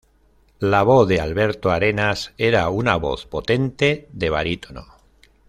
La voz de Alberto Arenas era una voz potente de barítono.